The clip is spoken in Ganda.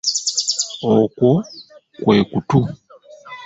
Okwo kwe kutu.